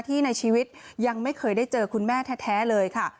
ในชีวิตยังไม่เคยได้เจอคุณแม่แท้เลยค่ะ